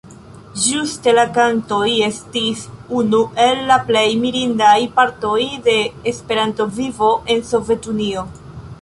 Ĝuste la kantoj estis unu el la plej mirindaj partoj de Esperanto-vivo en Sovetunio.